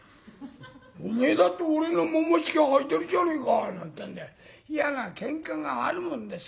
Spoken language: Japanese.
「おめえだって俺のももひきはいてるじゃねえか」なんてんで嫌な喧嘩があるもんですけれども。